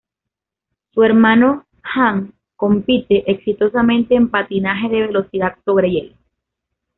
Su hermano Jan compite exitosamente en patinaje de velocidad sobre hielo.